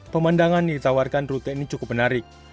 pemandangan yang ditawarkan rute ini cukup menarik